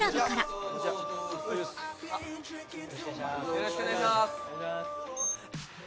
よろしくお願いします。